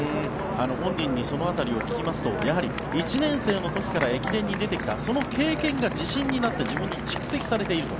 本人にその辺りを聞きますと１年生の時から駅伝に出てきたその経験が自信になって自分に蓄積されていると。